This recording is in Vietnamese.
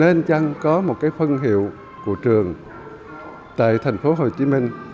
tiến trăng có một cái phân hiệu của trường tại thành phố hồ chí minh